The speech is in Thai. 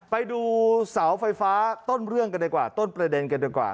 ไปดูเสาไฟฟ้าต้นเรื่องกันดีกว่าต้นประเด็นกันดีกว่า